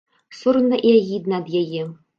Сорамна і агідна ад яе.